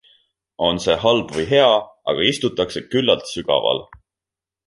On see halb või hea, aga istutakse küllalt sügaval.